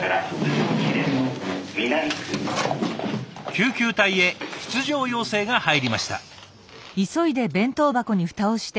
救急隊へ出場要請が入りました。